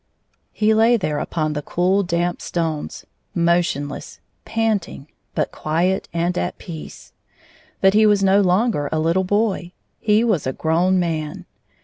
no He lay there upon the cool, damp stones, mo tionless, panting, but quiet and at peace. But he was no longer a little boy ; he was a grown man.